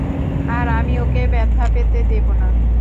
আর আমি ওকে ব্যথা পেতে দেব না।